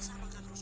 sama kan rusdi